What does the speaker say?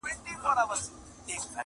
د سېلیو هیبتناکه آوازونه!!